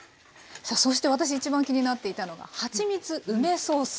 さあそして私一番気になっていたのがはちみつ梅ソース